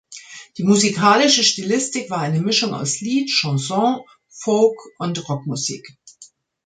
Die musikalische Stilistik war eine Mischung aus Lied, Chanson, Folk- und Rockmusik.